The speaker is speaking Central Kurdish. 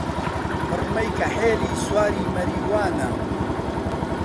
پڕمەی کەحێلی سواری مەریوانە